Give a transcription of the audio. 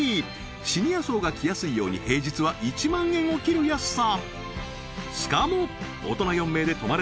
シニア層が来やすいように平日は１万円を切る安さ